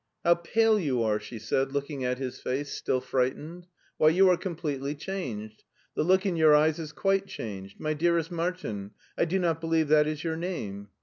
How pale you are," she said, looking at his face, still frightened. " Why, you are completely changed. The look in your eyes is quite changed. My dearest Martin — I do not believe that is your name."